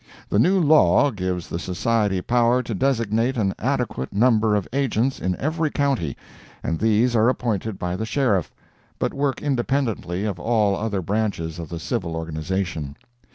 The new law gives the Society power to designate an adequate number of agents in every county, and these are appointed by the Sheriff, but work independently of all other branches of the civil organization.